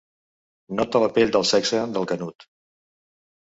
Nota la pell del sexe del Canut.